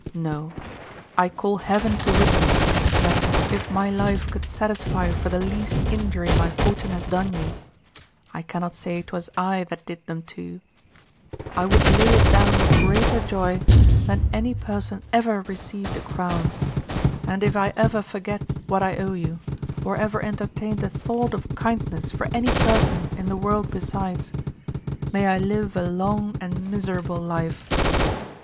No; I call heaven to witness that if my life could satisfy for the least injury my fortune has done you (I cannot say 'twas I that did them you), I would lay it down with greater joy than any person ever received a crown; and if I ever forget what I owe you, or ever entertained a thought of kindness for any person in the world besides, may I live a long and miserable life.